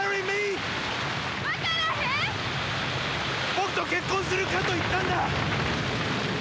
僕と結婚するかと言ったんだ！